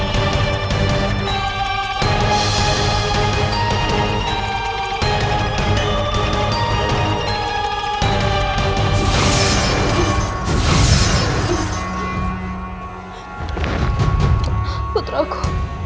bagaimana keadaan putraku